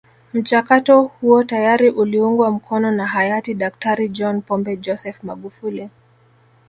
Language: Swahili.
Mchakato huo tayari uliungwa mkono na hayati Daktari John Pombe Joseph Magufuli